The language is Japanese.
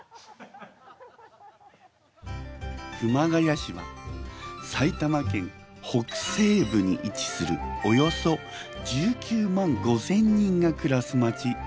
熊谷市は埼玉県北西部に位置するおよそ１９万５，０００人が暮らす町。